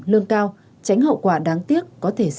lương cao tránh hậu quả đáng tiếc có thể xảy ra